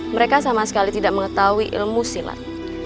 mereka sama sekali tidak mengetahui ilmu silat